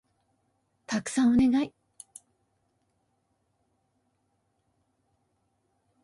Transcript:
たくさんお願い